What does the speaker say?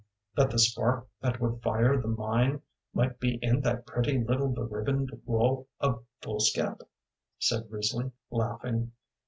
"That the spark that would fire the mine might be in that pretty little beribboned roll of foolscap," said Risley, laughing.